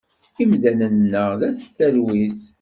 Imdanen-a d at talwit.